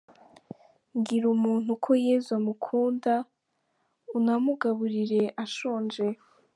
bwira umuntu ko Yesu amukunda unamugaburire anshonje.